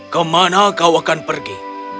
ke mana kau akan pergi